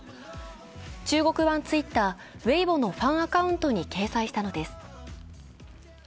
中国版ＴｗｉｔｔｅｒＷｅｉｂｏのファンアカウントに掲載したのです。